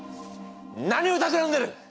何をたくらんでる！？